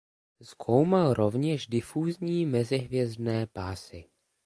Zkoumal rovněž difúzní mezihvězdné pásy.